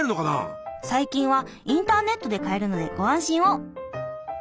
最近はインターネットで買えるのでご安心を。